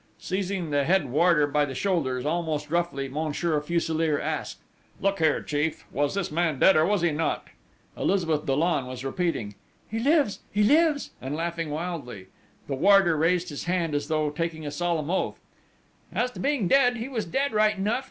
Seizing the head warder by the shoulders, almost roughly, Monsieur Fuselier asked: "Look here, chief, was this man dead, or was he not?" Elizabeth Dollon was repeating: "He lives! He lives!" and laughing wildly. The warder raised his hand as though taking a solemn oath: "As to being dead, he was dead right enough!...